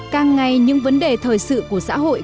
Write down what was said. càng ngày những vấn đề thời sự của xã hội